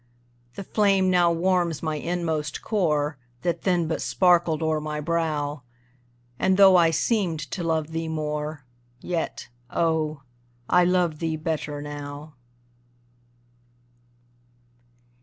The flame now warms my inmost core, That then but sparkled o'er my brow, And, though I seemed to love thee more, Yet, oh, I love thee better now.